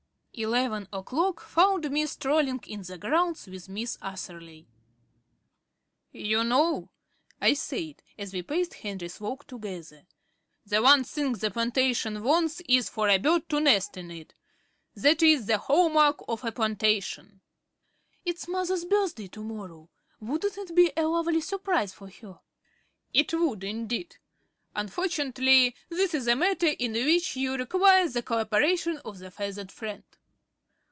Eleven o'clock found me strolling in the grounds with Miss Atherley. "You know," I said, as we paced Henry's Walk together, "the one thing the plantation wants is for a bird to nest in it. That is the hallmark of a plantation." "It's Mother's birthday to morrow. Wouldn't it be a lovely surprise for her?" "It would indeed. Unfortunately this is a matter in which you require the co operation of a feathered friend."